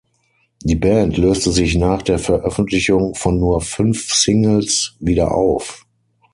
Die Band löste sich nach der Veröffentlichung von nur fünf Singles wieder auf.